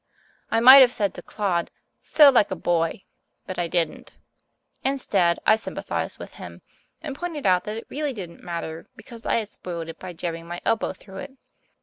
I might have said to Claude, So like a boy! but I didn't. Instead, I sympathized with him, and pointed out that it really didn't matter because I had spoiled it by jabbing my elbow through it.